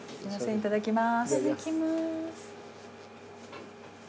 いただきます。